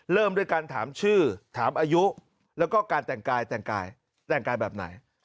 เริ่มด้วยการถามชื่อถามอายุแล้วก็การแต่งกายแบบไหน